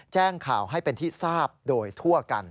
แจ้งข่าวให้เป็นที่ทราบโดยทั่วกัน